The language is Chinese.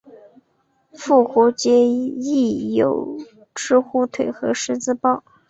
复活节亦有吃火腿和十字包。